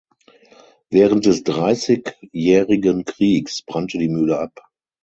Während des Dreißigjährigen Kriegs brannte die Mühle ab.